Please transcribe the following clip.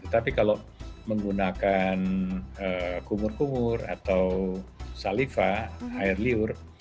tetapi kalau menggunakan kumur kumur atau saliva air liur